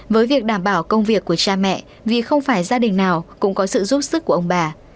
với việc đảm bảo công việc của cha mẹ vì không phải gia đình nào cũng có sự giúp sức của ông bà